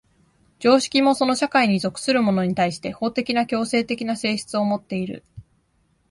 常識もその社会に属する者に対して法的な強制的な性質をもっている。